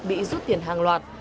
bị rút tiền hàng loạt